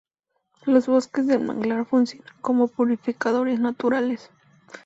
Los bosques de manglar funcionan como "purificadores naturales".